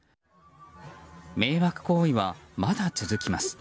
迷惑行為はまだ続きます。